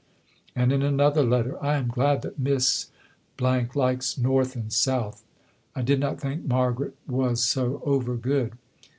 And in another letter: "I am glad that Miss likes North and South. I did not think Margaret was so over good.